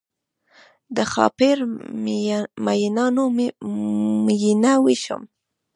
د ښارپر میینانو میینه ویشم